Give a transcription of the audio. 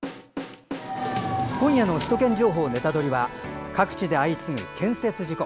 今夜の「首都圏情報ネタドリ！」は各地で相次ぐ建設事故。